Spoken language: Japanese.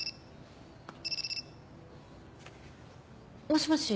もしもし。